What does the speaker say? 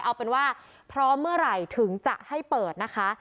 เอาเป็นว่าพร้อมเมื่อไหร่ถึงจะให้เปิดนะคะ